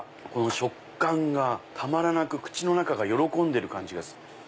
食感がたまらなく口の中が喜んでる感じがする。